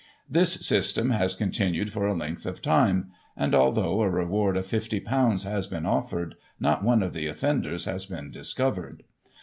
" This system has continued for a length of time ; and, although a reward of £^0 has been offered, not one of the offenders has been discovered.